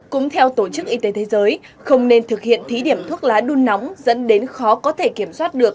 cũng theo tổ chức y tế thế giới không nên thực hiện thí điểm thuốc lá đun nóng dẫn đến khó có thể kiểm soát được